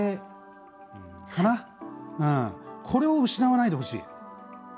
これを失わないでほしい。